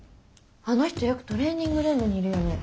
あの人よくトレーニングルームにいるよね。